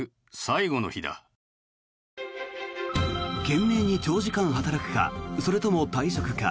懸命に長時間働くかそれとも退職か。